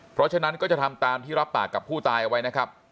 เพราะฉะนั้นก็จะทำตามที่รับปากกับผู้ตายเอาไว้นะครับ